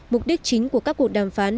mục đích chính của các cuộc đàm phán